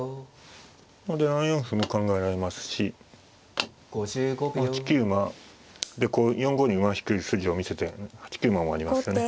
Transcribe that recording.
それで７四歩も考えられますし８九馬でこう４五に馬引く筋を見せて８九馬もありますよね。